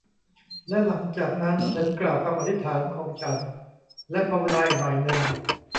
และหลังจากนั้นฉันกล่าวคำอธิษฐานของฉัน และภาวนาอีกหน่อยนึง